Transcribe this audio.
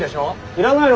いらないの？